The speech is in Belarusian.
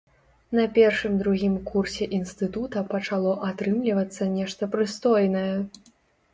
На першым-другім курсе інстытута пачало атрымлівацца нешта прыстойнае.